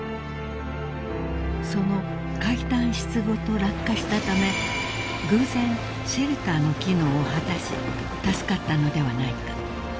［その階段室ごと落下したため偶然シェルターの機能を果たし助かったのではないか］